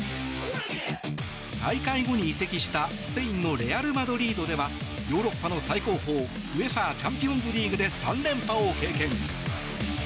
大会後に移籍したスペインのレアル・マドリードではヨーロッパの最高峰ＵＥＦＡチャンピオンズリーグで３連覇を経験。